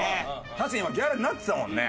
確かに今ギャルになってたもんね。